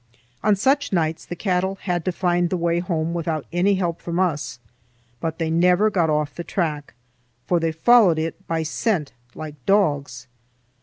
On such nights the cattle had to find the way home without any help from us, but they never got off the track, for they followed it by scent like dogs.